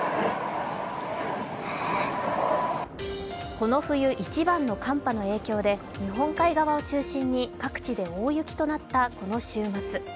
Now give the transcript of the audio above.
この冬一番の寒波の影響で日本海側を中心に各地で大雪となったこの週末。